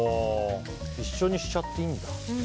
一緒にしちゃっていいんだ。